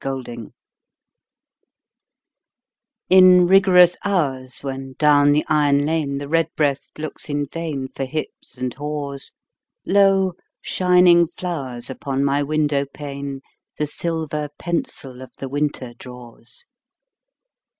XVII—WINTER In rigorous hours, when down the iron lane The redbreast looks in vain For hips and haws, Lo, shining flowers upon my window pane The silver pencil of the winter draws.